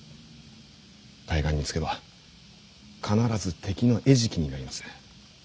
対岸に着けば必ず敵の餌食になります。